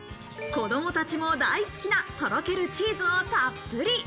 子供たちも大好きなとろけるチーズをたっぷり。